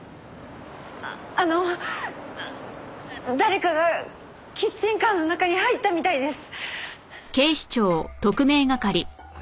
あの誰かがキッチンカーの中に入ったみたいです。